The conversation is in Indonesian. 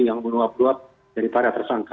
yang beruap ruap dari para tersangka